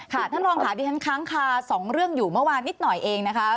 ท่านรองค่ะดิฉันค้างคาสองเรื่องอยู่เมื่อวานนิดหน่อยเองนะคะ